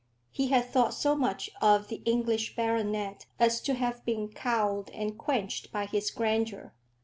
He had thought so much of the English baronet as to have been cowed and quenched by his grandeur.